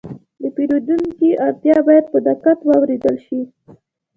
د پیرودونکي اړتیا باید په دقت واورېدل شي.